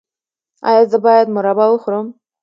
ایا زه باید مربا وخورم؟